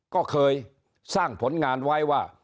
ก็เคยสร้างผลงานไว้ว่า